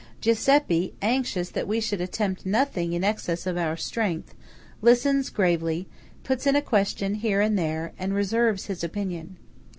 Giuseppe, anxious that we should attempt nothing in excess of our strength, listens gravely; puts in a question here and there; and reserves his opinion.